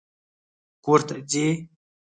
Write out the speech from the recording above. کور ته ځې!